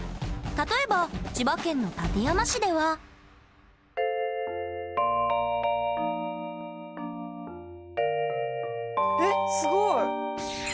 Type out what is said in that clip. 例えば千葉県の館山市ではえっすごい。